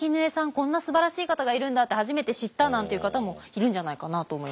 こんなすばらしい方がいるんだ」って初めて知ったなんていう方もいるんじゃないかなと思います。